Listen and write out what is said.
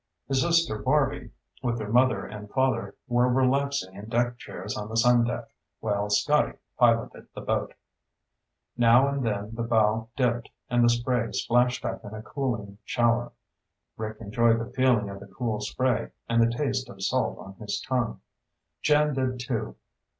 His sister Barby, with their mother and father, were relaxing in deck chairs on the sun deck, while Scotty piloted the boat. Now and then the bow dipped, and the spray splashed up in a cooling shower. Rick enjoyed the feeling of the cool spray, and the taste of salt on his tongue. Jan did, too.